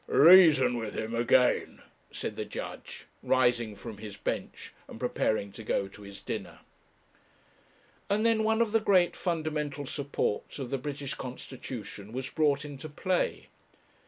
'Reason with him again,' said the judge, rising from his bench and preparing to go to his dinner. And then one of the great fundamental supports of the British constitution was brought into play.